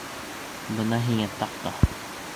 Бына һиңә таҡта.